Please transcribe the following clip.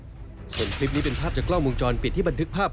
ส่วนคลิปนี้เป็นภาพจากกล้องวงจรปิดที่บันทึกภาพ